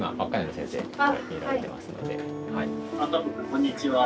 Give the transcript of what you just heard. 「こんにちは」。